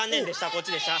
こっちでした。